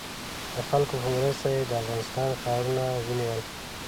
د خلکو په مرسته یې د افغانستان ښارونه ونیول.